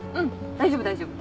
大丈夫大丈夫。